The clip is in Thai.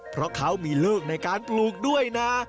เพราะเขามีลูกในการปลูกด้วยนะ